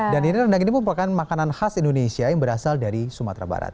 dan ini rendang ini mempunyai makanan khas indonesia yang berasal dari sumatera barat